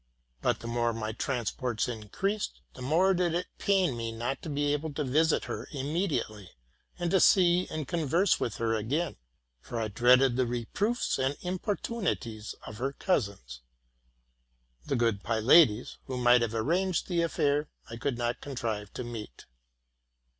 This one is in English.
But the more my transports increased, the more did it pain me not to be able to visit her immediately, and to see and con verse with her again ; for I dreaded the reproofs and impor tunities of her cousins. The good Pylades, who might have arranged the affair, I could not contrive to meet.